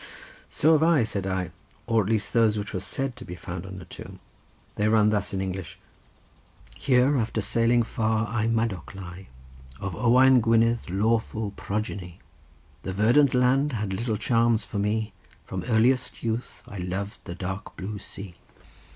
"So have I," said I; "or at least those which were said to be found on a tomb: they run thus in English:— "'Here, after sailing far, I, Madoc, lie, Of Owain Gwynedd lawful progeny: The verdant land had little charms for me; From earliest youth I loved the dark blue sea.